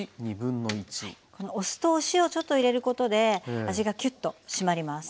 このお酢とお塩ちょっと入れることで味がキュッと締まります。